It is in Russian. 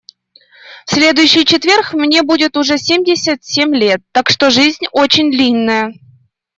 В следующий четверг мне будет уже семьдесят семь лет, так что жизнь очень длинная.